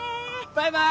バイバイ！